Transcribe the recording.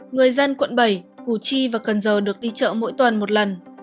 người dân quận bảy củ chi và cần giờ được đi chợ mỗi tuần một lần